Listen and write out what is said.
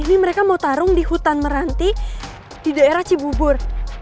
ini mereka mau tarung di hutan meranti di daerah cibubur